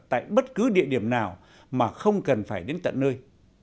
tại bất cứ địa điểm nào mà không cần phải đến trung tâm